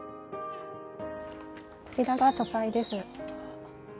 こちらが書斎です。